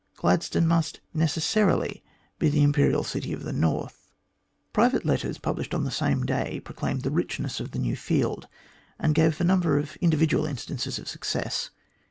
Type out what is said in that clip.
Gladstone must necessarily be the Imperial City of the North. Private letters published on the same day proclaimed the richness of the new field, and gave a number of individual instances of success.